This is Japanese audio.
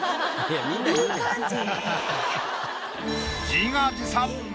自画自賛！